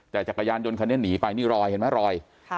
แต่จักรยานยนต์คันนี้หนีไปนี่รอยเห็นไหมรอย